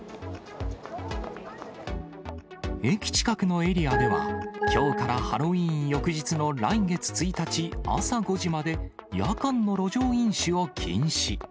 駅近くのエリアでは、きょうからハロウィーン翌日の来月１日朝５時まで、夜間の路上飲酒を禁止。